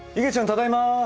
ただいま。